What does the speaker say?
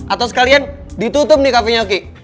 atau sekalian ditutup nih cafe nya ki